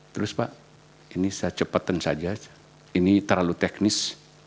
terus pak ini saya cepatkan saja ini terlalu teknis